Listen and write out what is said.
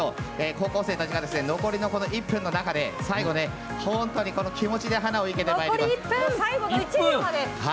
高校生たちが残りの１分の中で最後、本当に気持ちで花を生けてまいります。